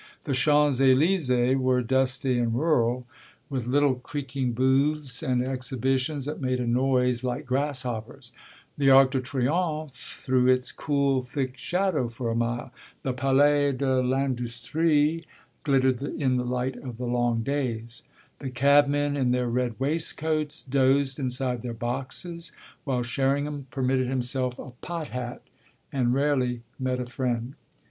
The Champs Elysées were dusty and rural, with little creaking booths and exhibitions that made a noise like grasshoppers; the Arc de Triomphe threw its cool, thick shadow for a mile; the Palais de l'Industrie glittered in the light of the long days; the cabmen, in their red waistcoats, dozed inside their boxes, while Sherringham permitted himself a "pot" hat and rarely met a friend.